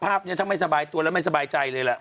ภาพนี้ทั้งไม่สบายตัวแล้วไม่สบายใจเลยล่ะ